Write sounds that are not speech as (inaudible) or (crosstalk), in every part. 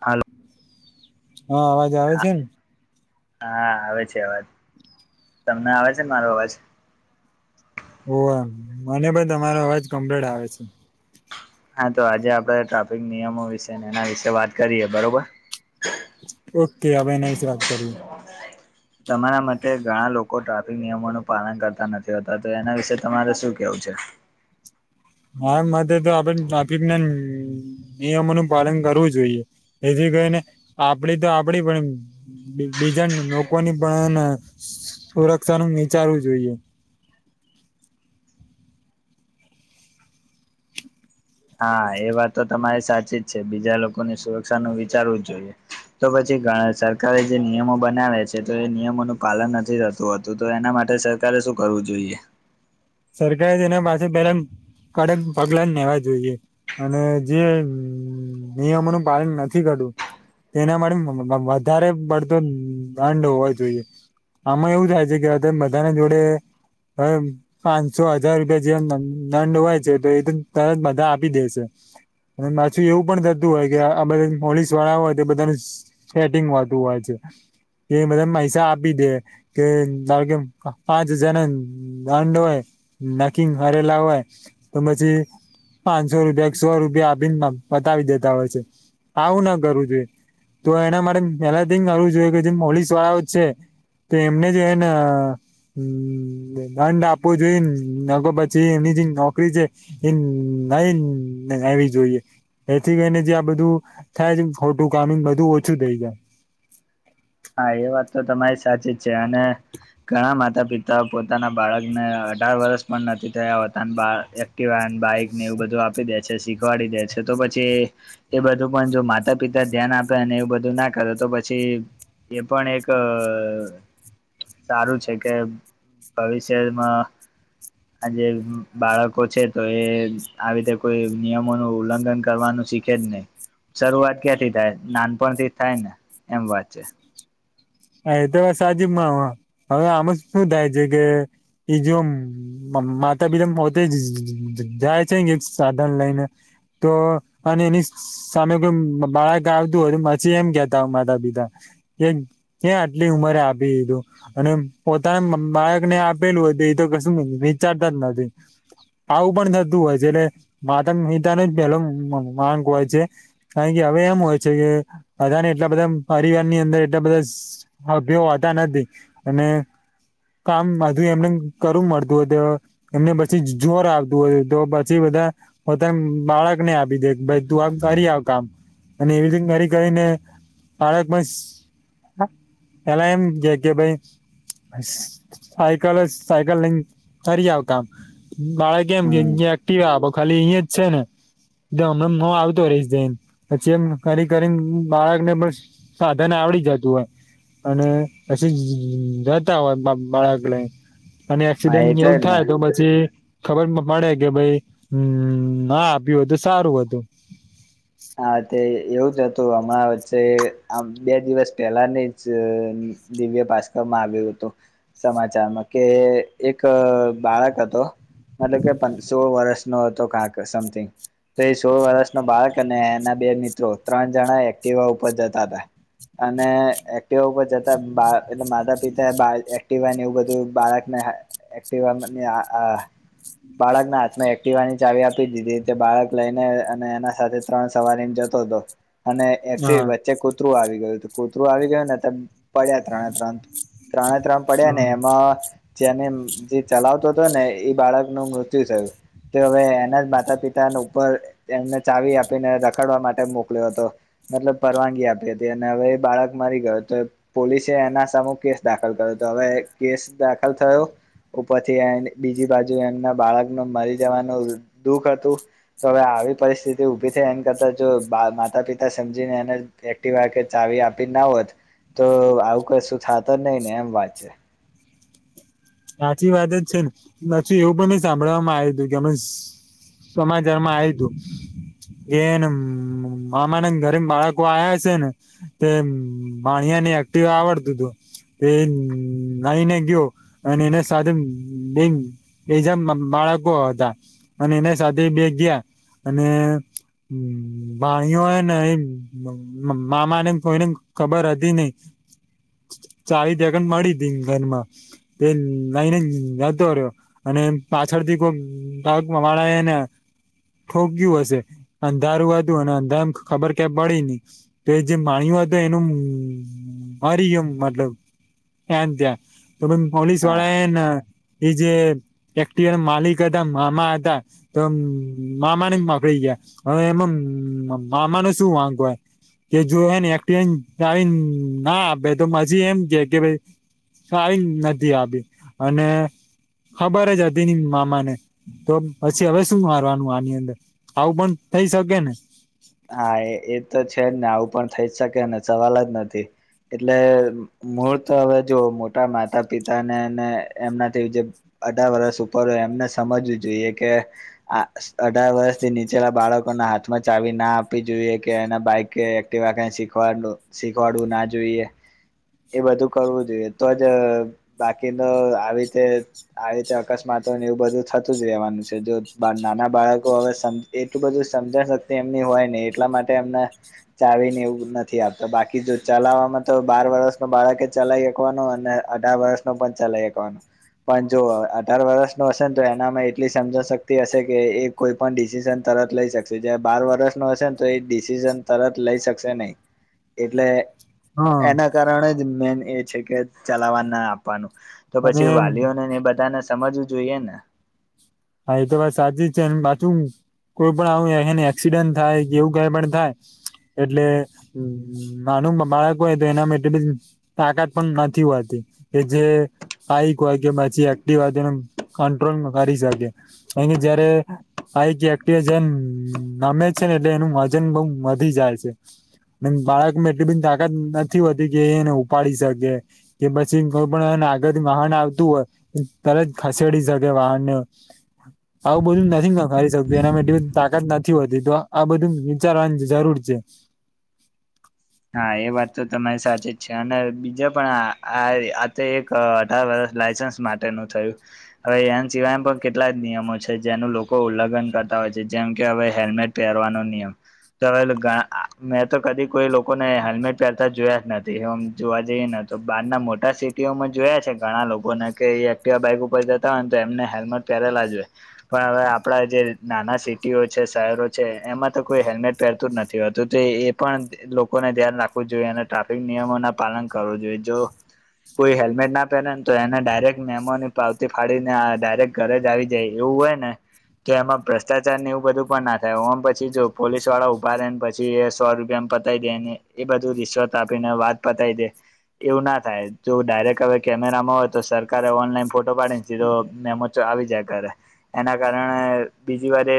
હાલો. હા અવાજ આવે હા છે ને. હા આવે છે અવાજ તમને આવે છે ને મારો અવાજ. ઓ આમ મને પણ તમારો અવાજ કમ્પ્લીટ આવે છે. હા તો આજે આપણે ટ્રાફિક નિયમો વિશે એના વિશે વાત કરીએ બરોબર. ઓકે અભાઈ નઈ જ વાત કરીએ. તમારા માટે ઘણા લોકો ટ્રાફિક નિયમોનું પાલન કરતા નથી હોતા તો એના વિશે તમારે શું કેવું છે. હા એ મ તો આપે બાી ના નિયમોનું પાલન કરવું જોઈએ એથી કરીને આપડી તો આપડી પણ. બીજા લોકોની પણ એને સુરક્ષા ન વિચારવું જોઈએ હા એ વાત તો તમારે સાચી જ છે બીજા લોકોની સુરક્ષા નું વિચારવું જ જોઈએ. તો પછી સરકારે જે નિયમો બનાવે છે તો એ નિયમોનું પાલન નથી થતું. તો હતું તો એના માટે સરકારે શું કરવું જોઈએ. સરકારે તેના પાસે પેલા કડક પગલા લેવા જોઈએ. અને જે નિયમોનું પાલન નથી કરું. એના માટે વધારે પડતો દંડ હોવો જોઈએ. આમાં એવું થાય છે કે બધાને જોડે હવે. પાંચસો હજાર રૂપિયા જેવ દંડ હોય છે તો એ તો તરત બધા આપી દે છે. અને માછું એવું પણ થતું હોય કે આ બધા પોલીસ વાળા હોય તો બધાનું. શેટિંગ વાતુ હોય છે. એ બધા પૈસા આપી દે કે કે પાંચ હજાર ના દાંડવાય નાખંગ હરે લાવવાય તો પછી. પાંચસો રૂપિયા એક સો રૂપિયા આ બીન બતાવી દેતા હોય છે આવું ના કરવું જોઈએ. તો એના માટે પેલા થીઈ કરવું જોઈએ કે જેમ પોલીસ વાળાઓ જ છે. તો એમને જેને હ દંડ આપવો જોઈએ ને અગો પછી એની જે નોકરી છે. એમ એવી જોઈએ. એથી કરીઈને જે આ બધું થાય છે ફોટું કામિંગ બધું ઓછું થઈ જાય. હા એ વાત તો તમારી સાચી જ છે અને ઘણા માતા પિતા પોતાના બાળકને અઢાર વર્ષ પણ નથી થયા હોતા બા કવા બાઈકને એવું બધું આપી દે છે શીખવાડી દે છે તો પછી. એ બધું પણ જો માતા પિતા ધ્યાન આપે અને એવું બધું ના કરે તો પછી. એ પણ એક. સારું છે કે ભવિષ્યમાં આ જે બાળકો છે તો એ આવી રીતે કોઈ નિયમો નું ઉલ્લંઘન કરવાનું શીખ કે જ નહી શરૂઆત ક્યાંથી થાય નાનપણથી થાય ને એમ વાત છે. હા એ તો સાજીબમાં હવે આમાં શું થાય છે કે જો માતા (inaudible) જાય છે કે સાધન લઈને. તો અને એની સામે કોઈ બાળક આવતું હોય પછી એમ કેતા માતા પિતા એક કયાં આટલી ઉંમરે આપી દીધું? અને પોતાના બાળક ને આપેલું હતું એતો કશું વિચારતા જ નથી. આવું પણ થતું હોય છે એટલે માતા પિતા નો જ પેલો વાંક હોય છે. કારણ કે હવે એમ હોય છે કે બધાને એટલા બધા પરિવાર ની અંદર એટલા બધા સભ્યો હોતા નથી અને કામ બધું એમને કરવું પડતું હોય તો. એમને પછી જોર આવતું હોય તો પછી બધા પોતાને બાળકને આપી દે ભાઈ તું આ કરી આવ કામ અને એવી રીતે કરી કરીને બાળક હ પેલા એમ કે કે ભાઈ સાયકલ જ સાયકલ લઈ કરી આવ કામ. બાળક એમ કે હમ એક્ટિવા આપો ખાલી અહીં જ છે ને હમણા હુ આવતો રહીશ જઈને પછી એમ કરી કરીને બાળકને બસ સાધન આવડી જતું હોય. અને પછી જતા હોય બાળક લઈ અને હા એક્સિડેન્ટ એટલે એવું જ ને થાય તો પછી. ખબર પડે કે ભાઈ ના આપ્યું હોત સારું હતું. હા તે એવું જ હતું હમણાં વચ્ચે આમ બે દિવસ પહેલાની જ જે દિવ્ય ભાસ્કર માં આવ્યો હતો. સમાચારમાં કે એક બાળક હતો. મતલબ કે સોળ વર્ષનો હતો કાક સમથિંગ તો એ સોળ વર્ષ નો બાળક અને એના બે મિત્રો ત્રણ જણા એક્ટિવા ઉપર જતા હતા. અને એક્ટિવા ઉપર જતા બા એટલે માતા પિતા બા એક્ટવા હોય ને એવું બધું બાળકને એક્ટિવા મને આ. બાળકના હાથમાં એક્ટિવાની ચાવી આપી દીધી તે બાળક લઈને અને એના સાથે ત્રણ સવારીમ જતો હતો અને હા વચ્ચે કૂતરું આવી ગયું તો કૂતરું આવી ગયું ને તો પડ્યા ત્રણે ત્રણ ત્રણે ત્રણ પડ્યા ને હમ. એમાં જેને જે ચલાવતો હતો ને એ બાળક નું મૃત્યુ થયું. તો હવે એના જ માતા પિતા ઉપર એમને ચાવી આપ આપીને રખડવા માટે મોકલ્યો હતો મતલબ પરવાનગી આપી હતી અને હવે એ બાળક મરી ગયો હતો તો પોલીસે એના સામે કેસ દાખલ કર્યો હતો હવે કેસ દાખલ થયો ઉપરથી એન્ડ બીજી બાજુ એમના બાળક નુ મરી જવાનું દુઃખ હતું. તો હવે આવી પરિસ્થિતિ ઉભી ત્યાં એમ કરતા જો માતા પિતા સમજીને એને એક્ટિવા કે ચાવી આપી ના હોત તો આવું કશું થાત જ નહી ને એમ વાત છે. સાચી વાત જ છે ને પછી એવું પણ સાંભળવામાં આવ્યું હતું કે અમે સમાચાર માં આયુ તું કે હે ને મામા ના ઘરે બાળકો આયા હશે ને તે ભાણિયા ને એક્ટિવા આવડતું હતું તે લઈને ગયો અને એના સાથે બે બીજા બાળકો હતા. અને એના સાથે બે ગયા અને ભાણીયો હે ને ઈ મામા ને કોઈને ખબર હતી નહી ચાવી તેકન પડી હતી ઘરમાં તે લઈને જતો રહ્યો અને પાછળથી કોઈ બાક વાળા એ ને ઠોકયું હશે અંધારું હતું અને અંધારમ ખબર ક્યાં પડી નહી તો એ જે માણ્યું હતો એનું મરી ગયો એમ મતલબ એ ત્યાં તો પોલીસ હા વાળા હેન એ જે એક્ટિવાના માલિક હતા મામા હતા તોમ મામાને પકડી ગયા હવે એમ મામા નું શું વાક હોય. કે જોહેને એક્ટિવાની ચાવી ના આપે તો પછી એમ કે ભાઈ ચાવી નથી આપી અને ખબર જ હતી ની મામાને તો પછી હવે શું મારવાનું આની અંદર આવું પણ થઈ શકે ને હા એ એ તો છે જ ને આવું પણ થઈ જ શકે ને સવાલ જ નથી એટલે મૂળ તો હવે જોવ મોટા માતા પિતા ને એમનાથી જે અઢાર વર્ષ ઉપર હોય એમને સમજવું જોઈએ કે આ અઢાર વર્ષ થી નીચેલા બાળકો ના હાથમાં ચાવી ના આપ આપી જોઈએ કે એને બાઈક એકટીવા કાઈ શીખવાડું શીખવાડવું ના જોઈએ એ બધું કરવું જોઈએ તો જ બાકીનો આવી રીતે આ રીતે અકસ્માતોને એવું બધું થતું જ રહેવાનું છે જો નાના બાળકો હવે સમ એટલું બધું સમજણ શકતિ એમની હોય ને એટલા માટે એમને ચાવીને એવું નથી આપતા બાકી જો ચલાવવામાં તો બાર વર્ષ નું બાળકે ચલાવી શકવાનું અને અઢાર વર્ષ નો પણ ચલાઈ હકવાનું પણ જો અઢાર વરષ નું હશે ને તો એનામાં એટલી સમજણ શક્તિ હશે કે એક કોઈ પણ ડિસિઝન તરત લઈ શકશે જ્યારે બાર વરષ નો હશે ને તો એ ડિસન તરત લઈ શકશે નહી એટલે હા એના કારણે જ મેન એ છે કે ચલાવવા ના આપવાનું તો અને પછી વાલીઓને એ બધાને સમજવું જોઈએ ને હા એ તો વાત સાચી જ છે પાછું કોઈ પણ આવું એન એક્સિડન્ટ થાય કે એવું કઈ પણ થાય એટલે નાનું બાળક હોય તો એના મા એટલી બધી તાકાત પણ નથી હોતી કે જે આઈક હોય કે પછી એક્ટિવા હોય તો કંટ્રોલ કરી શકે કારણ કે જયારે આઈક એક્ટિવા જેમ નમે છે ને એટલે એનું વજન બઉ વધી જાય છે. ને બાળકમાં એટલી બધી તાકાત નથી હોતી કે એને ઉપાડી શકે કે પછી કોઈ પણ આગળથી વાહન આવતું હોય તરત ખસેડી શકે વાહનને હચ આવું બધું નથીારી શકતું એનામાં બધી તાકાત નથી હોતી તો આ બધું વિચારવાની જરૂર છે. હા એ વાત તો તમારી સાચી જ છે અને બીજા પણ આ આ તો એક અ અઢાર વર્ષ લાસન્સ માટેનું થયું. હવે એ સિવાય પણ કેટલા જ નિયમો છે જેનું લોકો ઉલ્લંઘન કરતા હોય છે જેમ કે હવે હેલ્મેટ પહેરવાનો નિયમ તો હવે મેં તો કદી કોઈ લોકોને હેલ્મેટ પહેરતા જોયા જ નથી. એમ જોવા જઈએ ને તો બહાર ના મોટા સિટીઓમાં જોયા છે ઘણા લોકોને કે બાઈક ઉપર જતા હોય ને તો એમને હેલ્મેટ પ્યારે લાહોય. પણ હવે આપડા જે નાના સિટીઓ છે શહેરો છે એમાં તો કોઈ હેલ્મેટ પહેરતું જ નથી હોતું એ પણ લોકોને ધ્યાન રાખવું જોઈએ અને ટ્રાફિક નિયમો ના પાલન કરવું જોઈએ જો. કોઈ હેલ્મેટ ના પહેરે ને તો એને ડાયરેક્ટ મેમોની પાવતી ફાડીને ડાયરેક્ટ ઘરે જ આવી જાય એવું હોય ને. તો એમાં ભ્રષ્ટાચાર ને એવું બધું પણ ના થાય ઓમ પછી જો પોલીસ વાળા ઉભાને પછી એ સો રૂપિયા પતાય ને એ બધું રિશ્વત આપીને વાત પતાવી દે એવું ના થાય તો ડાયરેક્ટ હવે કેમેરામાં હોય તો સરકારે ઓનલાઈન ફોટો પાડીને મે તો આવી જાય કરે એના કારણે બીજી વારે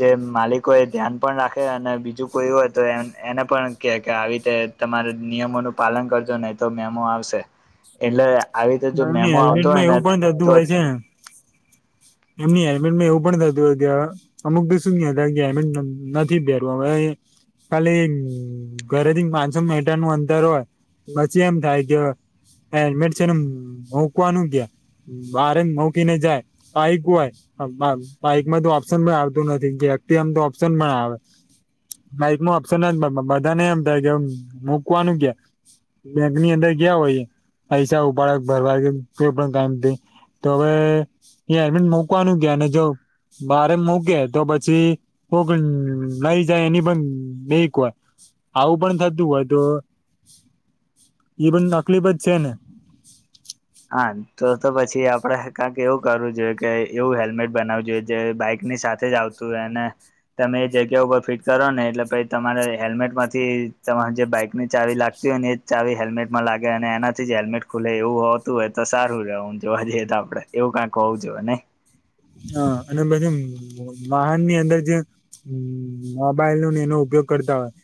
જે માલિકો એ ધ્યાન પણ રાખે અને બીજું કોઈ હોય તો એ એને પણ કે કે આવી રીતે તમારે નિયમો નું પાલન કરજો નહી તો મેમો આવશે એટલે આવી રીતે જો મેમો આવતો હોય હેલ્મેટમાં ને એવું પણ થતું તો જ. હોય છે ને એમની હેલ્મેટ માં એવું પણ થતું ગ્યાં. અમુક બી શું ક ગયા અમે નથી પહેરવ હવે. કાલી ઘરેથી પાંચસો મીટર નું અંતર હોય. પછી એમ થાય કે એડડન મકવાનું કયા. બારે મુકી ને જાય. બાઈક હોય બાઈકમાં તો ઓપ્શન પણ આવતું નથી વ્યક્તિ એમ તો ઓપ્શન પણ આવે. બાઈક ન અપ્શન ના બધા ને એમ થાય કે મૂકવાનું ક્યા. બેંક ની અંદર ગયા હોય પૈસા ઉપાડ ભરવા કોઈ પણ કામ થયુ તો હવે હલ્મિટ મુકવાનું ગયા અને જો બારે મૂકે તો પછી હગ નઈ જની બંધ નયકવા. આવું પણ થતું હોય તો એ પણ તકલીફ જ છે ને. હા તો તો પછી આપડે કંક એવું કરવું જોઈએ કે એવું હેલ્મેટ બનાવું જોઈએ જે બાઈકની સાથે જ આવતુ તું એને. તમે એ જગ્યા ઉપર ફિટ કરો ને એટલે પ તમારે હેલ્મેટ માંથી તમા જે બાઈક ને ચાવી લાગ ને જ ચાવી હેલ્મેટમાં લાગે અને એનાથી જ હેલ્મેટ ખુલે એવું હોત. તું એ તો સારું ર જો આજે તો આપડે એવું કઈ કઉં જો ને. હ અને પછી વાહન ની અંદર જે. હમ મોબાઈલ નોને એનો ઉપયોગ કરતા હોય.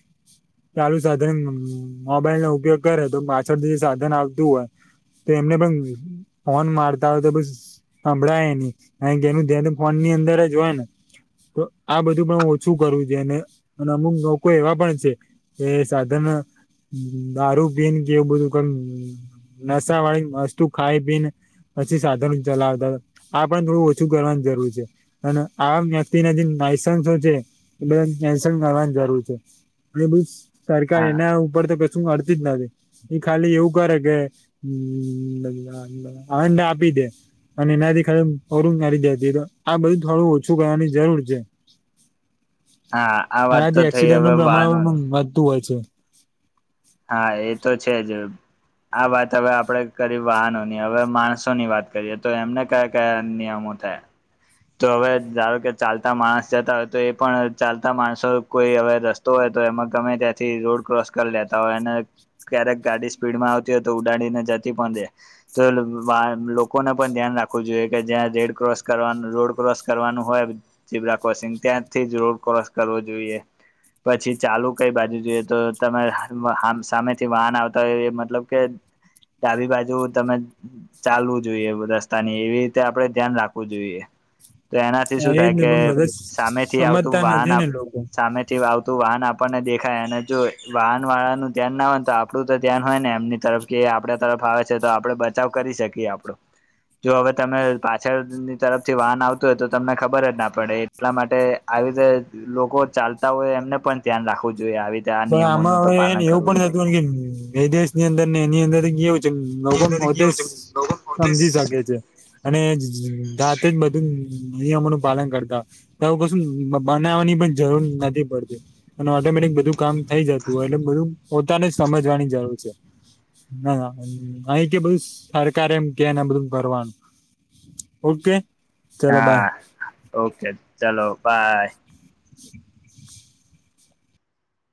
ચાલુ સાધન મોબાઈલ નો ઉપયોગ કરે તો પાછળથી જે સાધન આવતું હોય. તો એમને પણ ફન મારતા હોય તો બસ સાભળાય નહી. ક કે એનું ધ્યા ફોનની અર જ હોય ને. તો આ બધું પણ ઓછું કરું છેઈ અને અમુક લોકો એવા પણ છે. એ સાધન દારૂ પીન કે એવું બધું ક નસા વાળી વસ્તુ ખાઈ પી ને પછી સાધન ચલાવતા. આ પણ થોડું ઓછું કરવાની જરૂર છે અને આ વ્યક્તિ ના જે લઇસન્સો છે. એ બધા કેન્શલ કરવાન જરૂર છે અને બધૂ સરકાર હા એના ઉપર તો ક સું કરતી જ નથી એ ખાલી એઉં કરે કેે (unintelligible) ફંડ આપી દે અને એનાથી ખાલી પૂરું કરીદે (unintelligible) આ બધું થોડું ઓછું કરવાની જરૂર છે. હા આ વાત તો આનાથી થઈ એક્સિડન હવે નું વાહનોની પ્રમાણ (unintelligible) વધતું હોય છે હા એ તો છે જ આ વાત હવે આપડે કરી વાહનો ની હવે માણસો ની વાત કરીએ તો એમને કયા કયા નિયમો થે તો હવે ધારો કે ચાલતા માણસ જતા હોય તો એ પણ ચાલતા માણસો કોઈ હવે રસ્ તો એતો એમાં ગમે ત્યાંથી રોડ ક્રોસ કર લેતા હોય અને ક્યારેક ગાડી સ્પીડ માં આવતી હોય તો ઉડાડીને જતી પણ રે તો (unintelligible) લોકોને પણ ધ્યાન રાખવું જોઈએ કે જ્યાં રેડ ક્રોસ કરવાનું રોડ ક્રોસ કરવાનું હોય ઝીબ્રા ક્રોસિંગ ત્યાંથી જ રોડ ક્રોસ કરવો જોઈએ પછી ચાલુ કઈ બાજુ જોઈએ તો તમે હ હામ સામેથી વાહન આવતા હોય એ મતલબ કે ડાબી બાજુ તમે ચાલવું જોઈએ રસ્તા ની એવી રીતે આપડે ધ્યાન રાખવું જોઈએ. તો એનાથી હા શું એજ થાય ને કે પણ બધા સામેથી આવતું સમજતા વાહન નથી આ ને લોકો. સામે થી આવતું વાહન આપણને દેખાય અને જો વાહન વાળાનું ધ્યાન ના હોય તો આપડું તો ધ્યાન હોય ને એમની તરફ કે આપડા તરફ આવે છે તો આપડે બચાવ કરી શકીએ આપડો. જો હવે તમે પાછળની તરફ જે વાહન આવતું હોય તો તમને ખબર જ ના પડે એટલા માટે આવી રીતે લોકો ચાલતા હોય એમને પણ ધ્યાન રાખવું જોઈએ આવી રીતે આ પણ આમાં નિયમોનું તો હવે હેન પાલન એવું કરવું પણ થતું જોઈએ હો કે એ દેશ ની અંદર ને એની અંદર કેવું છે લોકો પોતે સમજી શકે છે. અને જાતે જ બધું નિયમો નું પાલન કરતા તો આઉ કશું બ-બનાવાની પણ જરૂર નથી પડતી અને ઓટોમેટિક બધું કામ થઈ જતું હોય એટલે બધું પોતાને સમજવાની જરૂર છે. ના ના નહીં કે બધું સરકારે એમ કેને આ બધું કરવાનું ઓકે ચલો બાય. હા ઓકે ચલો બાય